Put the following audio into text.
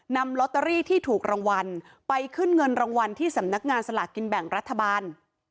นำลอตเตอรี่ที่ถูกรางวัลไปขึ้นเงินรางวัลที่สำนักงานสลากกินแบ่งรัฐบาล